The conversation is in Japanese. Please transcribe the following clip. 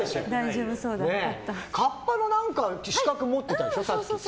カッパの資格持ってたでしょ。